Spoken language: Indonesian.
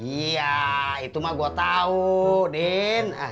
iya itu mah gue tahu den